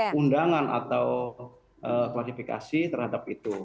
undangan atau klasifikasi terhadap itu